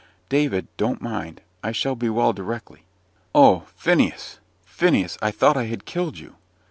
"David, don't mind. I shall be well directly." "Oh! Phineas Phineas; I thought I had killed you."